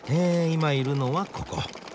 今いるのはここ。